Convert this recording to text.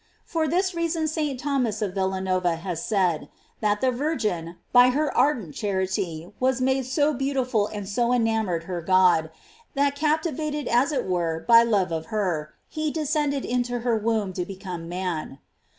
J For this reason St. Thomas of Villanova has said, that the Virgin, by her ar dent charity, was made so beautiful and so en amored her God, that captivated as it were, by love of her, he descended into her womb to be come man.